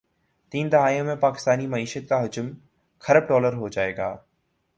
تین دہائیوں میں پاکستانی معیشت کا حجم کھرب ڈالرہوجائےگا